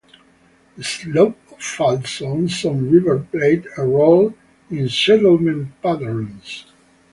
The slope of fall zones on rivers played a role in settlement patterns.